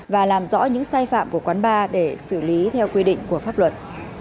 và làm rõ những sai phạm của quán bar để xử lý theo quy định của pháp luật